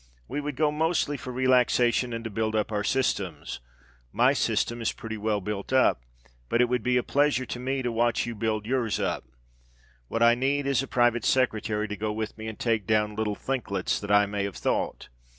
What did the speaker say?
We would go mostly for relaxation and to build up our systems. My system is pretty well built up, but it would be a pleasure to me to watch you build yours up. What I need is a private secretary to go with me and take down little thinklets that I may have thought.